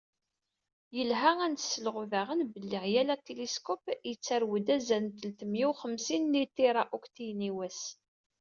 Yelha ad d-nselɣu daɣen belli yal atiliskup yettarew-d azal n teltemya u xemsin n yiṭira-ukṭiyen i wass.